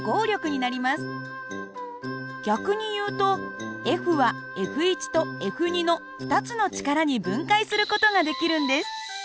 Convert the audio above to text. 逆に言うとＦはＦとＦの２つの力に分解する事ができるんです。